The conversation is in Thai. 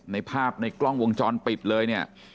ในภาพในกล้องวงจรปิดเลยเนี่ย